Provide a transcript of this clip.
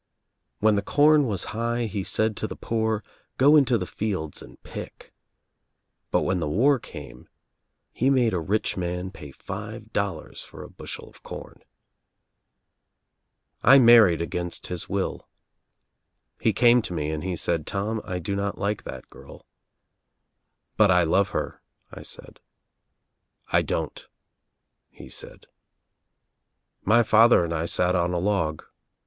When the corn was high he said to the poor, 'go into the fields and pick' but when the war came he made a rich man pay five dollars for a bushel of corn." "I married against his will. He came to me and he said, 'Tom I do not like that girl.' "" 'But I love her,' I said. " 'I don't,' he said. "My father and 1 sat on a log.